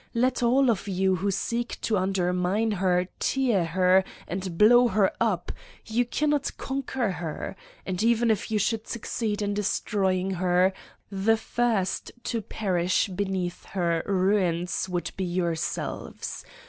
Let all of you who seek to under mine her, tear her, and blow her up you cannot conquer her. And even if you should succeed in 74 Satan's Diary I destroying her, the first to perish beneath her ruins would be yourselves.